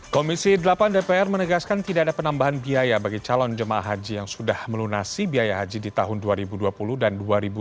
komisi delapan dpr menegaskan tidak ada penambahan biaya bagi calon jemaah haji yang sudah melunasi biaya haji di tahun dua ribu dua puluh dan dua ribu dua puluh